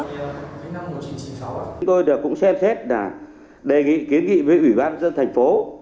năm một nghìn chín trăm chín mươi sáu tôi đã cũng xem xét đề nghị kiến nghị với ủy ban dân thành phố